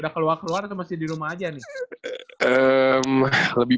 udah keluar keluar atau masih di rumah aja nih